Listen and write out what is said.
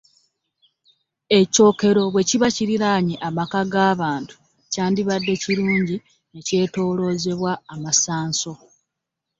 Ekyokero bwe kiba kiriraanye amaka g’abantu, kyandibadde kirungi ne kyetooloozebwa amasanso.